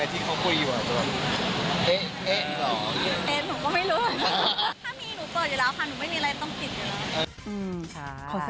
ถ้ามีหนูเปิดอยู่แล้วค่ะหนูไม่มีอะไรต้องปิดอยู่แล้ว